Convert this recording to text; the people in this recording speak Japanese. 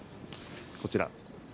こちら。